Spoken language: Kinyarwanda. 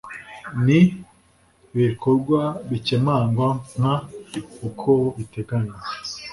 n ibikorwa bikemangwa nk uko biteganywa